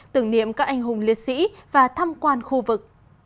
tưởng niệm các anh hùng liệt sĩ và thăm quan khu vực